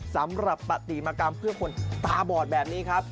สำหรับปฏิมากรรมเพื่อคนตาบอดแบบนี้ครับ